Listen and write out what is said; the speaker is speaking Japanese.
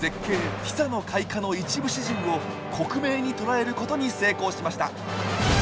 「ティサの開花」の一部始終を克明にとらえることに成功しました。